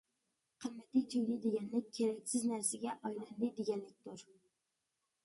قىممىتى تۈگىدى دېگەنلىك، كېرەكسىز نەرسىگە ئايلاندى دېگەنلىكتۇر.